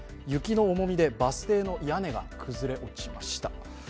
雪の重みでバス停の屋根が崩れ落ちました。